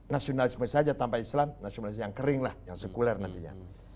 nasionalisme saja tanpa islam nasionalis yang kering lah yang sekuler nantinya